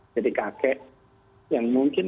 jadi kakek yang mungkin